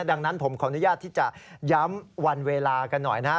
ดังนั้นผมขออนุญาตที่จะย้ำวันเวลากันหน่อยนะฮะ